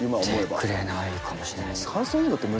言ってくれないかもしれないです。